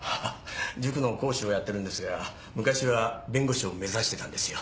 塾の講師をやってるんですが昔は弁護士を目指してたんですよ。